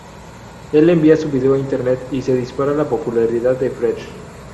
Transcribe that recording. Él envía su vídeo a Internet, y se dispara la popularidad de Fred.